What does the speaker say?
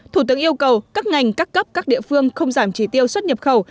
thủ tướng yêu cầu các ngành các cấp các địa phương không giảm trí tiêu xuất nhập khẩu